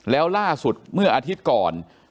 แล้วล่าสุดเมื่ออาทิตย์ก่อน